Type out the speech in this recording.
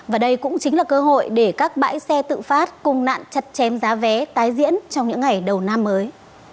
và đây cũng chính là cơ hội để các bãi xe tự phát cùng nạn chặt chém giá vé tái diễn trong những ngày đầu năm mới